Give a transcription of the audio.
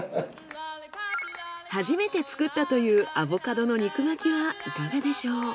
初めて作ったというアボカドの肉巻きはいかがでしょう？